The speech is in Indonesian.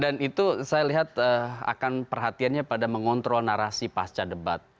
dan itu saya lihat akan perhatiannya pada mengontrol narasi pasca debat